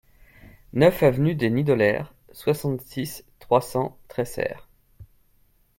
neuf avenue des Nidoleres, soixante-six, trois cents, Tresserre